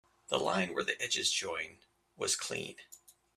The line where the edges join was clean.